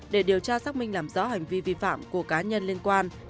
để điều tra xác minh làm rõ hành vi vi phạm của cá nhân liên quan